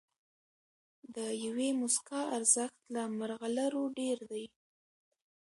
د یوې موسکا ارزښت له مرغلرو ډېر دی.